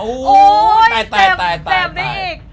โอ้ยเจ็บนี่อีก